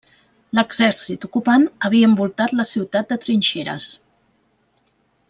L'exèrcit ocupant havia envoltat la ciutat de trinxeres.